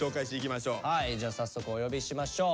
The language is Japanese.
じゃあ早速お呼びしましょう。